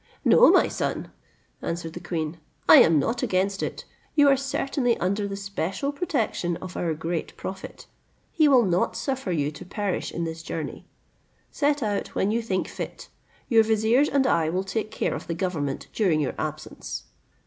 "No, my son," answered the queen, "I am not against it: you are certainly under the special protection of our great prophet, he will not suffer you to perish in this journey. Set out when you think fit: your viziers and I will take care of the government during your absence."